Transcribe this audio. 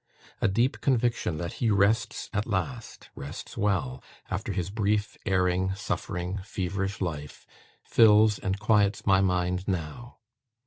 A deep conviction that he rests at last rests well, after his brief, erring, suffering, feverish life fills and quiets my mind now.